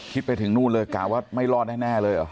คิดไปถึงนู่นเลยกะว่าไม่รอดแน่เลยเหรอ